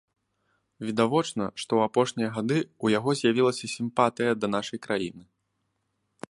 Відавочна, што ў апошнія гады ў яго з'явілася сімпатыя да нашай краіны.